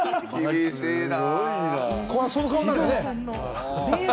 厳しいな。